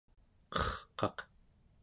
qerqaq